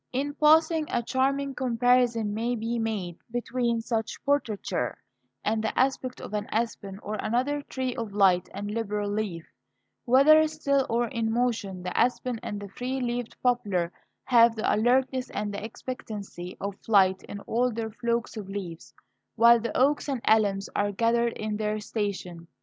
In passing, a charming comparison may be made between such portraiture and the aspect of an aspen or other tree of light and liberal leaf; whether still or in motion the aspen and the free leafed poplar have the alertness and expectancy of flight in all their flocks of leaves, while the oaks and elms are gathered in their station.